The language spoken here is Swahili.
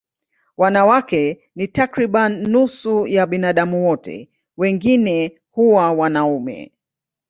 Wanawake ni takriban nusu ya binadamu wote, wengine huwa wanaume.